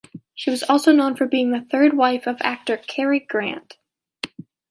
She was also known for being the third wife of actor Cary Grant.